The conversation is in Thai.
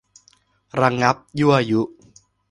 ระงับยั่วยุ